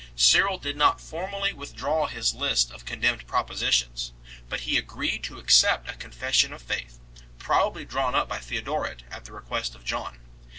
Cyril did not formally withdraw his list of condemned propositions, but he agreed to accept a Confession of Faith probably drawn up by Theodoret at the request of John.